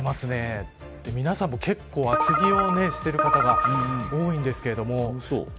皆さんも、結構厚着をしている方が多いんですけど。